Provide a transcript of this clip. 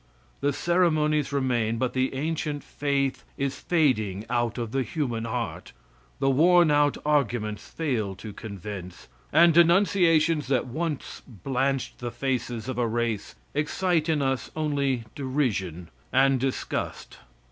The ceremonies remain, but the ancient faith is fading out of the human heart. The worn out arguments fail to convince, and denunciations that once blanched the faces of a race, excite in us only derision and disgust.